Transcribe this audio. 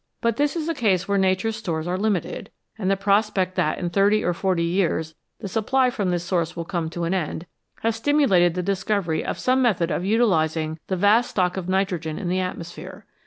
But this is a case where Nature's stores are limited, and the prospect that in thirty or forty years the supply from this source will come to an end has stimulated the discovery of some method of utilising the vast stock of nitrogen in the atmosphere.